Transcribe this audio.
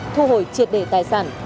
thu hồi triệt đề tài sản